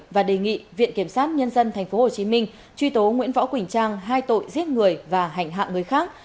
và đề nghị viện kiểm sát nhân dân tp hcm truy tố nguyễn võ quỳnh trang hai tội giết người và hành hạ người khác